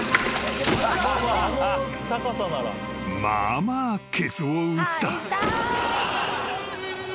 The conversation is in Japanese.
［まあまあケツを打った］